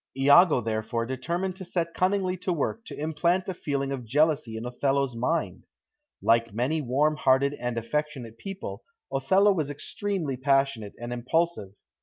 Iago therefore determined to set cunningly to work to implant a feeling of jealousy in Othello's mind. Like many warm hearted and affectionate people, Othello was extremely passionate and impulsive.